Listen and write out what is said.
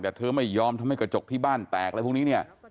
แต่เธอไม่ยอมทำให้กระจกที่บ้านแตกอะไรพวกนี้เนี่ย